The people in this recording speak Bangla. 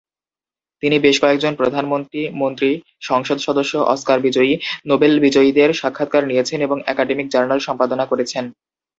তিনি বেশ কয়েকজন প্রধানমন্ত্রী, মন্ত্রী, সংসদ সদস্য, অস্কার বিজয়ী, নোবেল বিজয়ীদের সাক্ষাৎকার নিয়েছেন এবং একাডেমিক জার্নাল সম্পাদনা করেছেন।